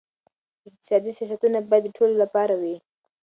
اقتصادي سیاستونه باید د ټولو لپاره وي.